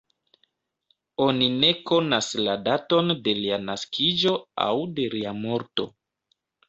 Oni ne konas la daton de lia naskiĝo aŭ de lia morto.